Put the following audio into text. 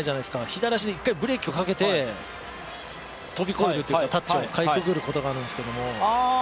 左足で一回ブレーキをかけて、飛び込むというか、タッチをかいくぐることがあるんですけど。